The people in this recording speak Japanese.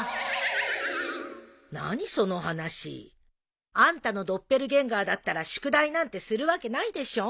何その話。あんたのドッペルゲンガーだったら宿題なんてするわけないでしょ。